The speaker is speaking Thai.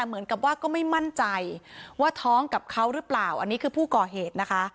เหมือนกับว่าก็ไม่มั่นใจว่าท้องกับเขาหรือเปล่าอันนี้คือผู้ก่อเหตุนะคะ